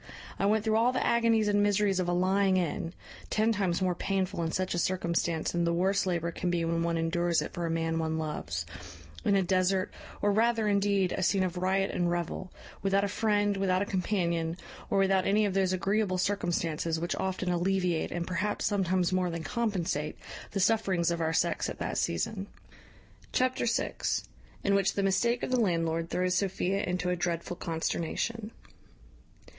I went through all the agonies and miseries of a lying in (ten times more painful in such a circumstance than the worst labour can be when one endures it for a man one loves) in a desert, or rather, indeed, a scene of riot and revel, without a friend, without a companion, or without any of those agreeable circumstances which often alleviate, and perhaps sometimes more than compensate, the sufferings of our sex at that season." Chapter vi. In which the mistake of the landlord throws Sophia into a dreadful consternation.